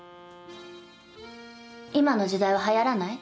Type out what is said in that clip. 今の時代は流行らない？